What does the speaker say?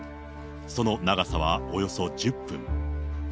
その長さはおよそ１０分。